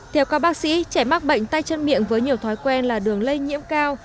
theo các bác sĩ trẻ mắc bệnh tay chân miệng với nhiều thói quen là đường lây nhiễm cao